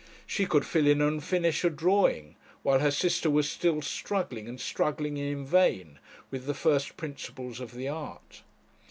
She could fill in and finish a drawing, while her sister was still struggling, and struggling in vain, with the first principles of the art.